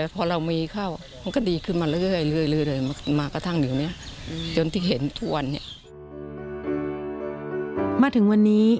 พอเรามีข้าว